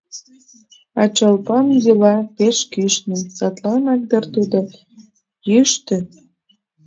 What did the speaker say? А Чолпан йӱла пеш кӱшнӧ, Садланак дыр тудо йӱштӧ.